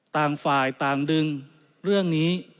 ต่างฝ่ายต่างดึงเรื่องนี้